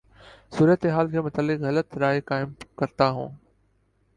صورتحال کے متعلق غلط رائے قائم کرتا ہوں